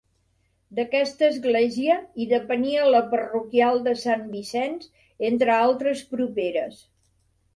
D'aquesta església hi depenia la parroquial de Sant Vicenç, entre altres properes.